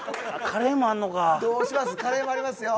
カレーもあるよ。